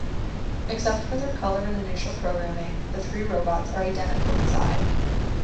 Except for their color and initial programming, the three robots are identical inside.